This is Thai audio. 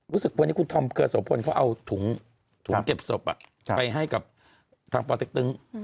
รู้สึกวันนี้คุณธอมเครือโสพลเขาเอาถุงเก็บศพไปให้กับทางปเต็กตึง